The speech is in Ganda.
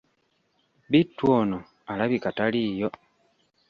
Bittu ono alabika taliiyo.